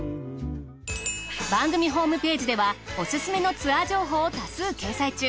番組ホームページではお勧めのツアー情報を多数掲載中。